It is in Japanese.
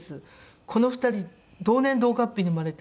この２人同年同月日に生まれてるんですよ。